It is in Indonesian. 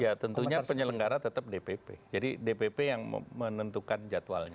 ya tentunya penyelenggara tetap dpp jadi dpp yang menentukan jadwalnya